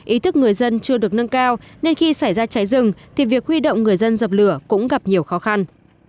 ý thức người dân chưa được nâng cao nên khi xảy ra cháy rừng thì việc huy động người dân dập lửa cũng gặp nhiều khó khăn